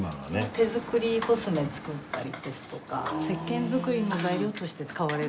手作りコスメ作ったりですとかせっけん作りの材料として使われる方が。